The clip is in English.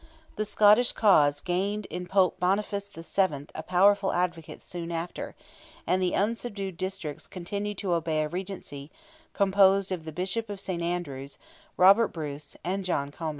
The Scottish cause gained in Pope Boniface VII. a powerful advocate soon after, and the unsubdued districts continued to obey a Regency composed of the Bishop of St. Andrews, Robert Bruce, and John Comyn.